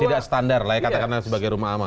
tidak standar lah ya katakanlah sebagai rumah aman